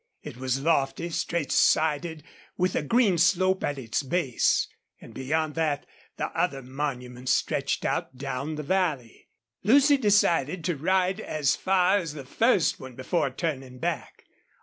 It was lofty, straight sided, with a green slope at its base. And beyond that the other monuments stretched out down the valley. Lucy decided to ride as far as the first one before turning back.